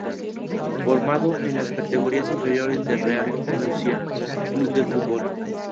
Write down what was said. Formado en las categorías inferiores del Real Murcia Club de Fútbol.